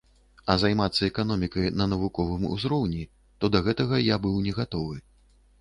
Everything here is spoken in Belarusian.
А займацца эканомікай на навуковым узроўні, то да гэтага я быў негатовы.